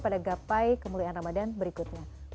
pada gapai kemuliaan ramadhan berikutnya